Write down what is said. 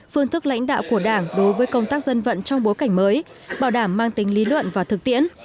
phương thức lãnh đạo của đảng đối với công tác dân vận trong bối cảnh mới bảo đảm mang tính lý luận và thực tiễn